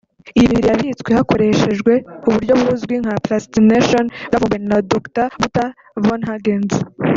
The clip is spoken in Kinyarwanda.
Iyi mibiri yabitswe hakoreshejwe uburyo buzwi nka ’Plastination’ bwavumbuwe na Dr Gunther von Hagens